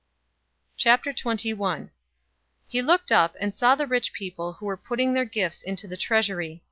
021:001 He looked up, and saw the rich people who were putting their gifts into the treasury.